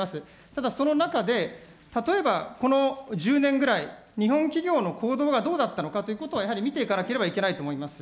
ただ、その中で、例えば、この１０年ぐらい、日本企業の行動がどうだったのかということを、やはり見ていかなければいけないと思います。